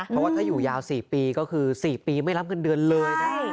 เพราะว่าถ้าอยู่ยาว๔ปีก็คือ๔ปีไม่รับเงินเดือนเลยนะ